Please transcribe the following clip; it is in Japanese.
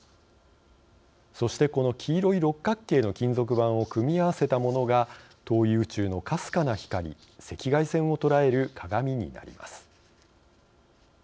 そしてこの黄色い六角形の金属板を組み合わせたものが遠い宇宙のかすかな光赤外線を捉える鏡になります。